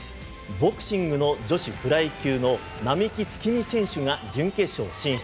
ボクシングの女子フライ級の並木月海選手が準決勝進出。